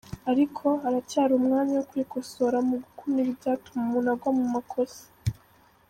Ariko, haracyari umwanya wo kwikosora no gukumira ibyatuma umuntu agwa mu makosa.